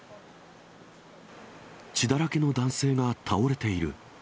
血だらけの男性が倒れている。